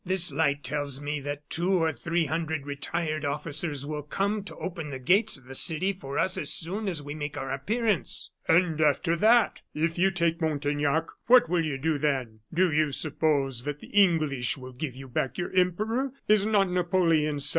This light tells me that two or three hundred retired officers will come to open the gates of the city for us as soon as we make our appearance." "And after that! If you take Montaignac, what will you do then? Do you suppose that the English will give you back your Emperor? Is not Napoleon II.